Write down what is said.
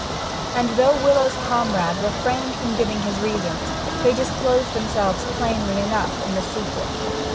And though Willowes's comrade refrained from giving his reasons, they disclosed themselves plainly enough in the sequel.